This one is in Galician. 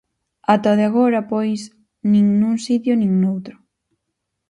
Ata o de agora, pois, nin nun sitio nin noutro.